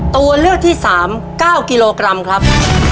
ตัวเลือกที่๓๙กิโลกรัมครับ